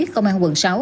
công an quận sáu